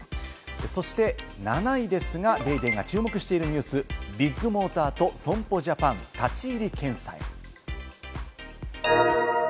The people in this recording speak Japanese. そして７位ですが、『ＤａｙＤａｙ．』が注目しているニュース、ビッグモーターと損保ジャパン立ち入り検査。